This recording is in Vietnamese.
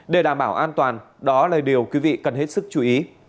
để đảm bảo an toàn đó là điều quý vị cần hết sức chú ý